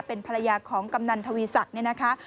เป็นภรรยาของกำนันทวีศักดิ์เนี่ยนะคะ